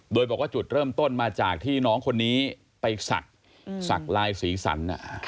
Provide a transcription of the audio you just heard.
โดยบอกว่าจุดเริ่มต้นมาจากที่น้องคนนี้ไปศักดิ์ศักดิ์ลายสีสัน